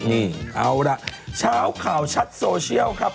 นี่เอาล่ะเช้าข่าวชัดโซเชียลครับ